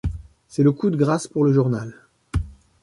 C'est le coup de grâce pour le journal.